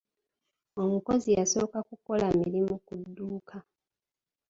Omukozi yasooka kukola mirimu ku dduuka.